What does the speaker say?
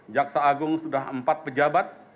jaksa agung sudah empat pejabat